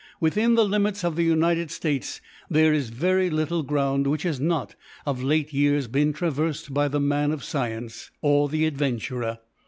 Within the limits of the United States there is very little ground which has not, of late years, been traversed by the man of science, or the adventurer.